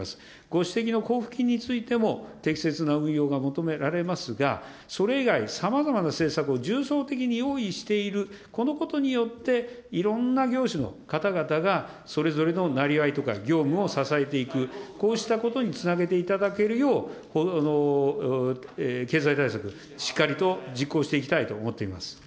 ご指摘の交付金についても、適切な運用が求められますが、それ以外、さまざまな政策を重層的に用意している、このことによって、いろんな業種の方々が、それぞれのなりわいとか業務を支えていく、こうしたことにつなげていただけるよう、経済対策、しっかりと実行していきたいと思っています。